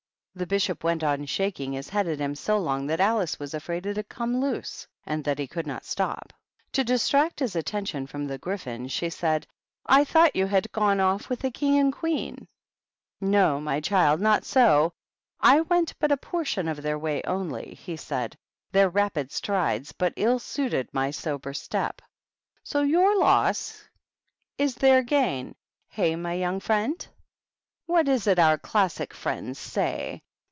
The Bishop went on shaking his head at him so long that Alice was afraid it had come loose, and that he could not stop. To distract his attention from the Gryphon, she said, " I thought you had gone off with the King and Queen." " No, my child, not so. I went but a portion of their way only," he said ;" their rapid strides but ill suited my sober step. So your loss is their gain, hey, my young friend? What is it our f fy THE BISHOPS. 187 classic friends say